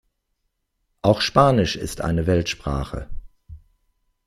Auch Spanisch ist eine Weltsprache.